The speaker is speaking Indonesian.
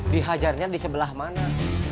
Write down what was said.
dihajarnya di sebelah mana